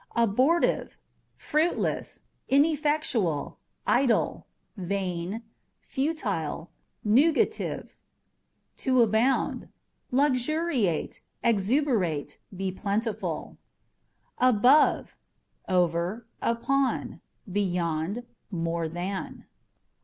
Abortive fruitless, ineffectual, idle, vain, futile, nugatory. To Abound â€" luxuriate, exuberate, be plentiful. Above â€" over, upon ; beyond, more than.